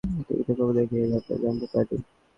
টিভিতে খবর দেখেই এ ব্যাপারে জানতে পারি।